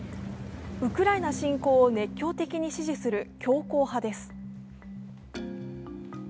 ウクライナ侵攻を熱狂的に支持する強硬派です。